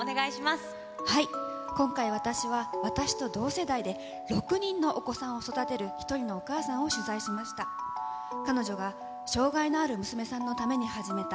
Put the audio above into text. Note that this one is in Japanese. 今回、私は、私と同世代で、６人のお子さんを育てる一人のお母さんを取材しました。